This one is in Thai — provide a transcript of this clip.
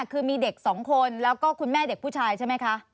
คือมีเด็ก๒คนแล้วก็คุณแม่เด็กผู้ชายใช่ไหมคะ